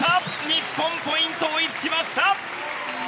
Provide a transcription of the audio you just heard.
日本、ポイント追いつきました！